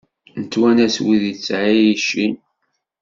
Nettwanas wid ittɛicin.